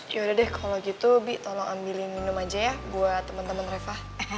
yaudah deh kalau gitu bi tolong ambilin minum aja ya buat teman teman reva